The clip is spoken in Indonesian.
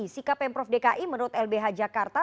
sikap mprdki menurut lbh jakarta